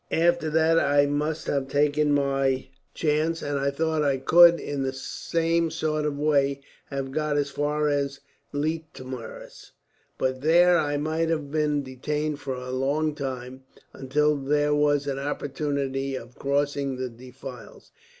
After that I must have taken my chance, and I think I could, in the same sort of way, have got as far as Leitmeritz; but there I might have been detained for a very long time, until there was an opportunity of crossing the defiles.